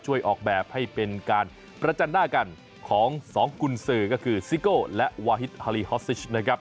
ออกแบบให้เป็นการประจันหน้ากันของสองกุญสือก็คือซิโก้และวาฮิตฮาลีฮอสซิชนะครับ